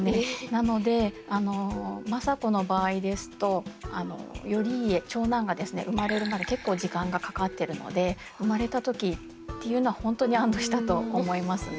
なのであの政子の場合ですと頼家長男がですね生まれるまで結構時間がかかってるので生まれた時っていうのは本当に安どしたと思いますね。